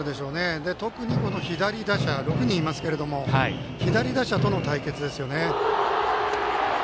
特に、この左打者６人いますけど左打者との対決ですよね。